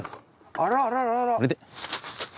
あらあらら！